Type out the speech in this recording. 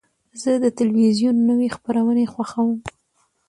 زه د تلویزیون نوی خپرونې خوښوم.